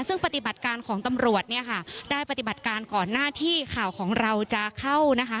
ซึ่งปฏิบัติการของตำรวจเนี่ยค่ะได้ปฏิบัติการก่อนหน้าที่ข่าวของเราจะเข้านะคะ